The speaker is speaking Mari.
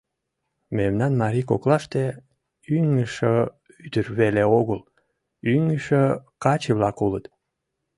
Мемнан марий коклаште ӱҥышӧ ӱдыр веле огыл, ӱҥышӧ каче-влакат улыт.